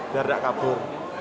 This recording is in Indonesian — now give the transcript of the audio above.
biar gak kabur